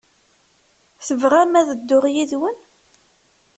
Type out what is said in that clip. Tebɣam ad dduɣ yid-wen?